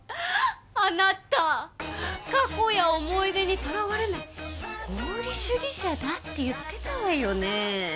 あなた過去や思い出にとらわれない合理主義者だって言ってたわよね？